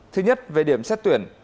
thứ nhất về điểm xét tuyển